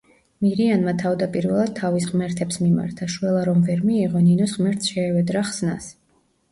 მირიანმა თავდაპირველად თავის ღმერთებს მიმართა; შველა რომ ვერ მიიღო, ნინოს ღმერთს შეევედრა ხსნას.